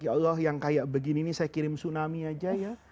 ya allah yang kayak begini ini saya kirim tsunami aja ya